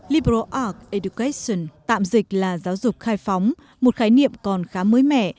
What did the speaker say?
liberal arts education tạm dịch là giáo dục khai phóng một khái niệm còn khá mới mẻ